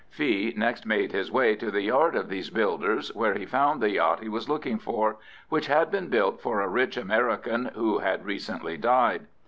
Fee next made his way to the yard of these builders, where he found the yacht he was looking for, which had been built for a rich American who had recently died.